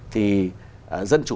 thì dân chủ